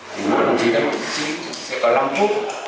thì mỗi đồng chí đồng chí sẽ có năm phút